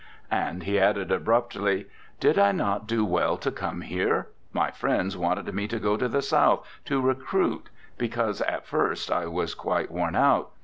And he added abruptly, 'Did I not do well to come here? My friends wanted me to go to the South to recruit, because at first I was quite worn out.